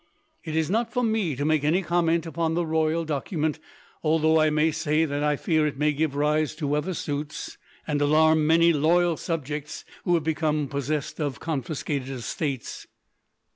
It is not for me to make any comment upon the royal document, though I may say that I fear it may give rise to other suits, and alarm many loyal subjects who have become possessed of confiscated estates.